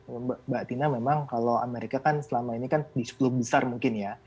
mbak tina memang kalau amerika kan selama ini kan di sepuluh besar mungkin ya